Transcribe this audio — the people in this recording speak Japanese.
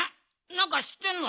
なんかしってんの？